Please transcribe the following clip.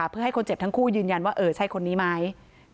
เพื่อให้คนเจ็บทั้งคู่ยืนยันว่าเออใช่คนนี้ไหม